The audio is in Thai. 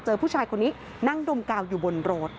ผู้ชายคนนี้นั่งดมกาวอยู่บนรถ